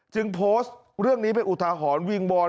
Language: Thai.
โพสต์เรื่องนี้เป็นอุทาหรณ์วิงวอน